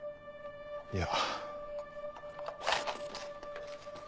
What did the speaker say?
いや。